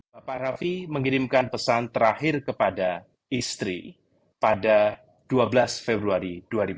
bapak raffi mengirimkan pesan terakhir kepada istri pada dua belas februari dua ribu dua puluh